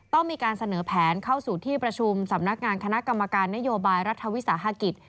ต้องมีการเสนอแผนเข้าสู่ที่ประชุมสำนักงานคณะกรรมการนโยบายรัฐวิสาหกิจ